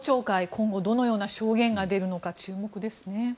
今後、どのような証言が出るのか注目ですね。